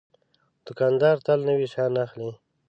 دوکاندار تل نوي شیان اخلي.